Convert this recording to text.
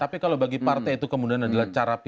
tapi kalau bagi partai itu kemudian adalah